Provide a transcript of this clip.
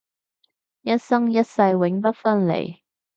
一生一世永不分離